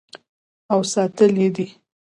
او ساتلی یې دی.